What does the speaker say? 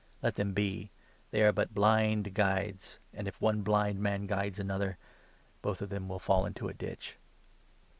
Let them be ; they are but blind guides ; and, if one blind man guides another, both of them will fall into a ditch."